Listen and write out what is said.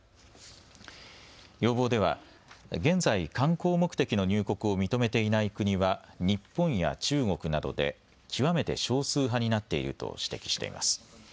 要望では現在、観光目的の入国を認めていない国は日本や中国などで極めて少数派になっていると指摘しています。